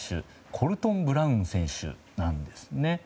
コルトン・ブラウン選手なんですね。